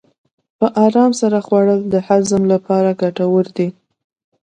په ارام سره خوړل د هضم لپاره ګټور دي.